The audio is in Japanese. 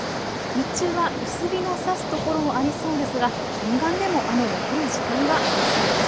日中は薄日のさす所もありそうですが沿岸でも雨の降る時間がありそうです。